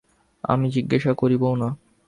আমি জিজ্ঞাসা করিবও না।